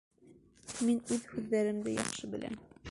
Мин үҙ һүҙҙәремде яҡшы беләм.